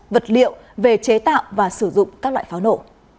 vật liệu về chế tạo và sử dụng các loại pháo nổ